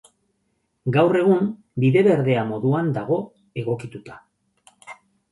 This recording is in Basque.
Gaur egun bide berdea moduan dago egokituta.